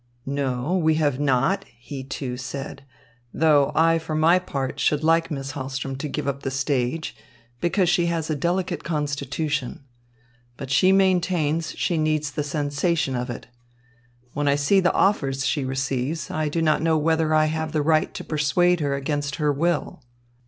"No, we have not," he, too, said, "though I for my part should like Miss Hahlström to give up the stage because she has a delicate constitution. But she maintains she needs the sensation of it. And when I see the offers she receives, I do not know whether I have the right to persuade her against her will."